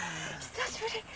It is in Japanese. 久しぶり。